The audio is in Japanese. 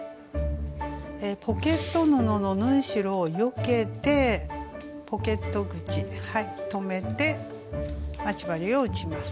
ポケット布の縫い代をよけてポケット口留めて待ち針を打ちます。